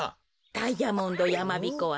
ダイヤモンドやまびこはね